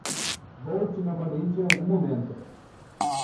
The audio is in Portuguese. Volte novamente em algum momento.